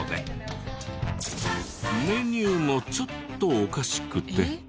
メニューもちょっとおかしくて。